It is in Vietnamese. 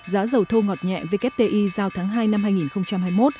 giá dầu thô ngọt nhẹ wti giao tháng hai năm hai nghìn hai mươi một